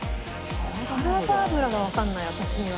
サラダ油がわかんない私には。